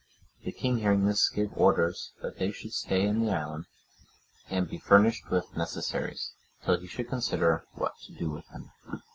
The king hearing this, gave orders that they should stay in the island where they had landed, and be furnished with necessaries, till he should consider what to do with them.